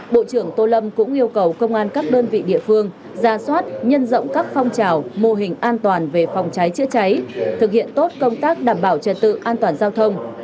bộ trưởng tô lâm cũng yêu cầu công an các đơn vị địa phương ra soát nhân rộng các phong trào mô hình an toàn về phòng cháy chữa cháy thực hiện tốt công tác đảm bảo trật tự an toàn giao thông